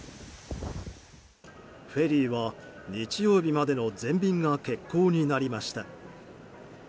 フェリーは、日曜日までの全便が欠航になりました。